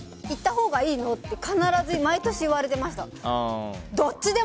行ったほうがいいの？って必ず毎年言われてました。